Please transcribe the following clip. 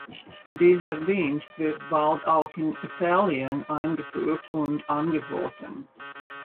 Dieser Dienst wird bald auch in Italien eingeführt und angeboten.